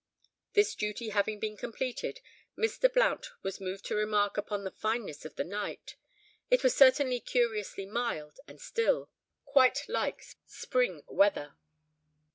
This duty having been completed, Mr. Blount was moved to remark upon the fineness of the night. It was certainly curiously mild and still. "Quite like spring weather."